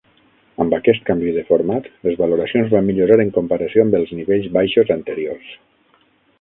Amb aquest canvi de format, les valoracions van millorar en comparació amb els nivells baixos anteriors.